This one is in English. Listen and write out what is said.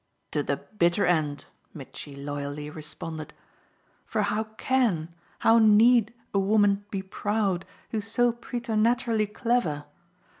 "To the bitter end," Mitchy loyally responded. "For how CAN, how need, a woman be 'proud' who's so preternaturally clever?